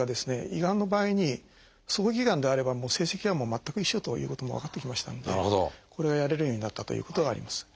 胃がんの場合に早期がんであれば成績は全く一緒ということも分かってきましたのでこれがやれるようになったということがあります。